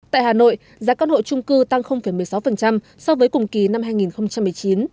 tại hà nội giá căn hộ trung cư tăng một mươi sáu so với cùng kỳ năm hai nghìn một mươi chín